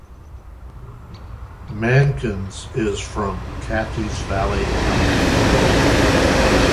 Mankins is from Catheys Valley, California.